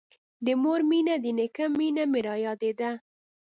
د مور مينه د نيکه مينه مې رايادېده.